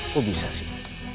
kok bisa sih